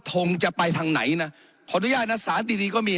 ทงจะไปทางไหนนะขออนุญาตนะสารดีก็มี